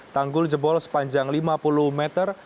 tanggul jebol sepanjang lima puluh meter